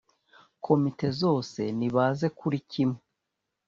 komite zose nibaze kuri kimwe